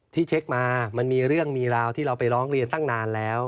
ที่เช็คมามันมีเรื่องมีราวที่เราไปร้องเรียนตั้งนานแล้ว